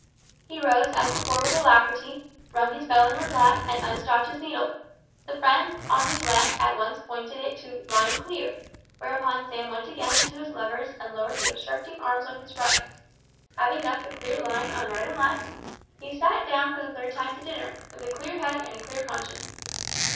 He rose as before with alacrity, rung his bell in reply, and unstopped his needle. The friend on his left at once pointed it to "Line clear," whereupon Sam again went to his levers, and lowered the obstructing arms on his right. Having thus a clear line on right and left, he sat down for the third time to dinner, with a clear head and a clear conscience.